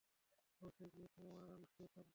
অফিসে গিয়ে কুমারানকে চাপ দাও।